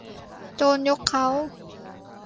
โจรยกเค้า